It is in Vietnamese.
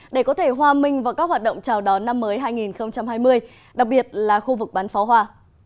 để có thể hòa minh vào các hoạt động chào đón năm mới hai nghìn hai mươi đặc biệt là khu vực bán pháo hoa